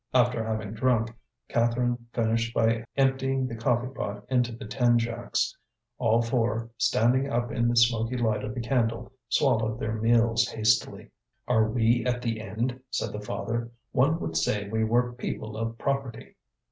After having drunk, Catherine finished by emptying the coffee pot into the tin jacks. All four, standing up in the smoky light of the candle, swallowed their meals hastily. "Are we at the end?" said the father; "one would say we were people of property."